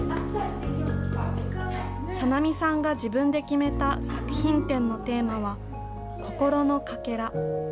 さなみさんが自分で決めた作品展のテーマは、心のかけら。